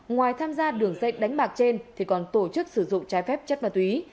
ngoài tham gia đường dây đánh bạc trên thì còn tổ chức sử dụng trái phép chất ma túy